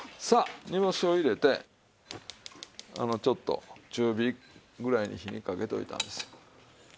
さあ煮干しを入れてちょっと中火ぐらいに火にかけておいたんですよ。